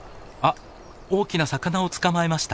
大きな魚を捕まえました。